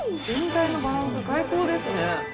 全体のバランス、最高ですね。